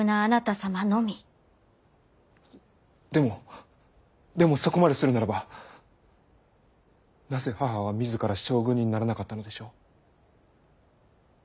でもでもそこまでするならばなぜ母は自ら将軍にならなかったのでしょう。